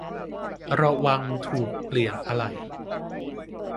ระวังถูกเปลี่ยนอะไหล่